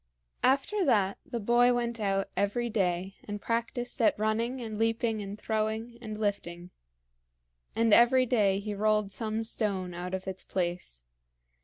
After that the boy went out every day and practiced at running and leaping and throwing and lifting; and every day he rolled some stone out of its place.